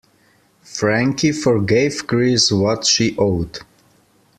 Frankie forgave Chris what she owed.